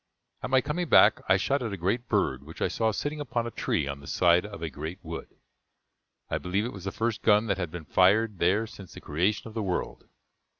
At my coming back, I shot at a great bird which I saw sitting upon a tree on the side of a great wood. I believe it was the first gun that had been fired there since the creation of the world.